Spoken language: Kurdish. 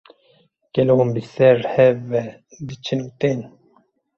Gelo hûn bi ser hev ve diçin û tên?